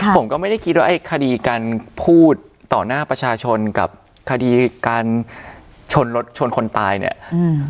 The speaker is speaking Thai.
ผมก็ไม่ได้คิดว่าไอ้คดีการพูดต่อหน้าประชาชนกับคดีการชนรถชนคนตายเนี่ยอืม